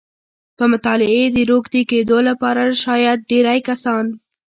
په مطالعې د روږدي کېدو لپاره شاید ډېری کسان